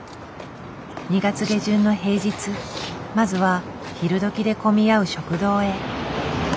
２月下旬の平日まずは昼時で混み合う食堂へ。